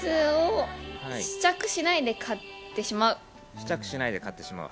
試着しないで買ってしまう。